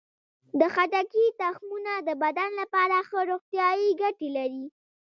د خټکي تخمونه د بدن لپاره ښه روغتیايي ګټې لري.